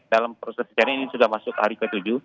dalam proses pencarian ini sudah masuk hari ke tujuh